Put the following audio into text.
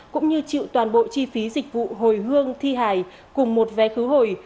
cũng như chịu toàn bộ chi phí dịch vụ hồi hương thi hài cùng một vé khứ hồi